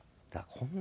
こんな。